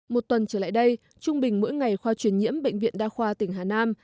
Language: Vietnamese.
một tuần trở lại đây trung bình mỗi ngày khoa truyền nhiễm bệnh viện đa khoa tỉnh hà nam